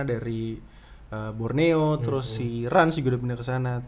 dari borneo terus si rans juga udah pindah kesana